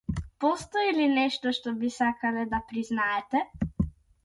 Постои ли нешто што би сакале да признаете?